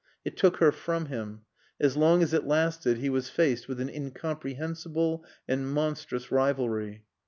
It took her from him. As long as it lasted he was faced with an incomprehensible and monstrous rivalry.